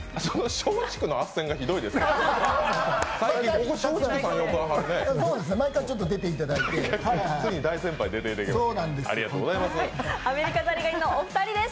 松竹のあっせんがすごいです。